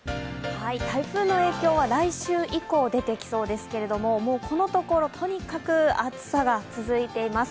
台風は来週以降になりそうですけどもこのところとにかく暑さが続いています。